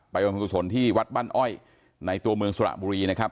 ไปวันพรุ่งสนที่วัดบั้นอ้อยในตัวเมืองสุรบุรีนะครับ